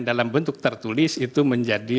dalam bentuk tertulis itu menjadi